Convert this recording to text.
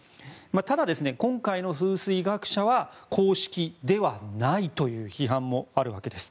ただ、今回の風水学者は公式ではないという批判もあるわけです。